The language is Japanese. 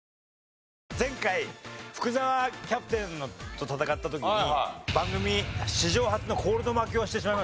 前回福澤キャプテンと戦った時に番組史上初のコールド負けをしてしまいまして。